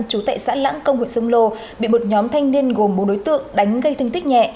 chú tại xã lãng công huyện sông lô bị một nhóm thanh niên gồm bốn đối tượng đánh gây thương tích nhẹ